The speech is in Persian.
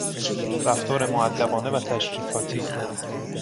رفتار مودبانه و تشریفاتی